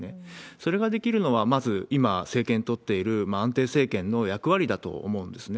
それができるのは、まず今、政権取っている安定政権の役割だと思うんですね。